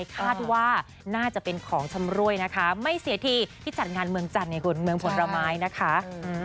แต่ว่าเห็นลำไยคุณแอร์ค่ะ